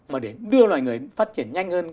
mà để đưa loài người phát triển nhanh hơn